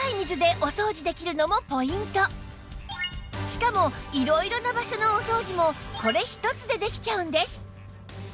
しかも色々な場所のお掃除もこれ一つでできちゃうんです